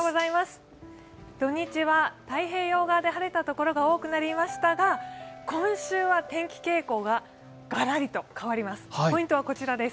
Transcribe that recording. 土日は太平洋側で晴れた所が多くなりましたが今週は天気傾向はがらりと変わります。